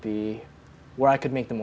perubahan yang paling besar